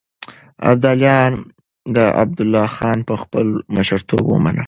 ابداليانو عبدالله خان په خپل مشرتوب ومنه.